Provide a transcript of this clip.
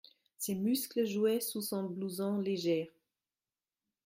Ses muscles jouaient sous son blouson léger.